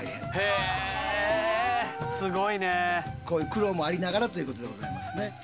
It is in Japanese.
こういう苦労もありながらということでございますね。